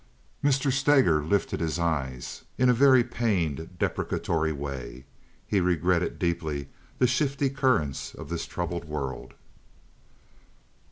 Mr. Steger lifted his eyes in a very pained, deprecatory way. He regretted deeply the shifty currents of this troubled world.